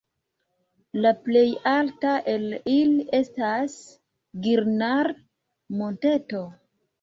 La plej alta el ili estas Girnar-Monteto.